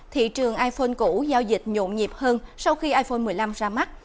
thị trường iphone cũ giao dịch nhộn nhịp hơn sau khi iphone một mươi năm ra mắt